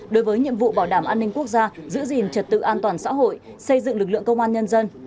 đối với nhiệm vụ bảo đảm an ninh quốc gia giữ gìn trật tự an toàn xã hội xây dựng lực lượng công an nhân dân